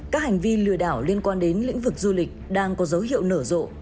các hành vi lừa đảo liên quan đến lĩnh vực du lịch đang có dấu hiệu nở rộ